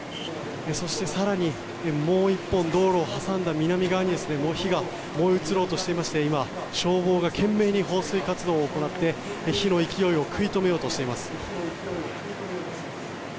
そして更にもう１本道路を挟んだ南側にも火が燃え移ろうとしていまして今、消防が懸命に放水活動を行って火の勢いを食い止めようとしています。